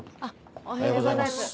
おはようございます。